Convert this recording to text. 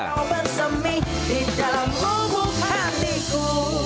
rauh bersemih di dalam umum hatiku